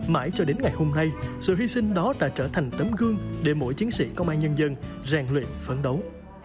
mãi cho đến ngày hôm nay sự hy sinh đó đã trở thành tấm gương để mỗi chiến sĩ công an nhân dân ràng luyện phấn đấu